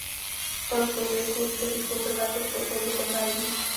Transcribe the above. O rok později klub totiž poprvé postoupil do sedmé ligy.